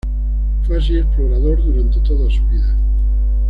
Fue así explorador durante toda su vida.